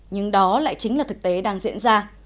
nhưng đó lại chính là thực tế đang diễn ra